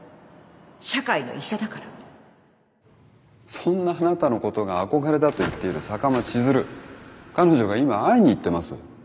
そんなあなたのことが憧れだと言っている坂間千鶴彼女が今会いに行ってます。